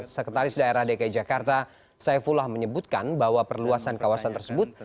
sekretaris daerah dki jakarta saifullah menyebutkan bahwa perluasan kawasan tersebut